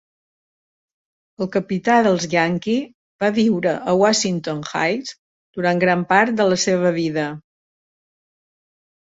El capità dels Yankee va viure a Washington Heights durant gran part de la seva vida.